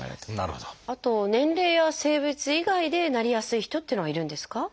あと年齢や性別以外でなりやすい人っていうのはいるんですか？